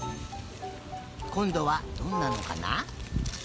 こんどはどんなのかな。